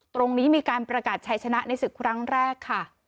ตรงนี้มีการประกาศชัยชนะในศึกครั้งแรกค่ะ